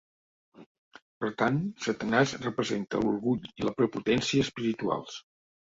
Per tant, Satanàs representa l'orgull i la prepotència espirituals.